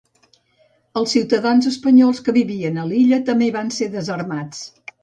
Els ciutadans espanyols que vivien a l'illa també van ser desarmats.